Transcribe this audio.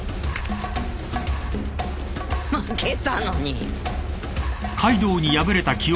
負けたのに。